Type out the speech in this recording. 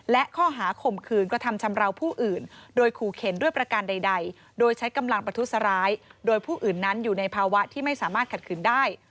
และข้อหาข่มขืนกระทำชำราวผู้อื่นโดยขู่เข็นด้วยประการใดโดยใช้กำลังประทุษร้ายโดยผู้อื่นนั้นอยู่ในภาวะที่ไม่สามารถขัดขืนได้